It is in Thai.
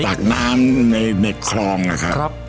ตักน้ำในเคราะห์นะครับ